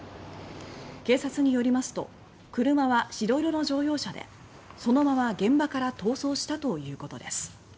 警察によりますと車は白色の乗用車でそのまま現場から逃走したということです。